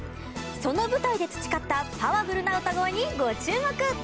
その舞台で培ったパワフルな歌声にご注目！